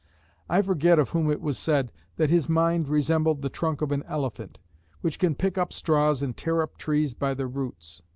I forget of whom it was said, that his mind resembled the trunk of an elephant, which can pick up straws and tear up trees by the roots.